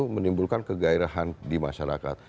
menimbulkan kegairahan di masyarakat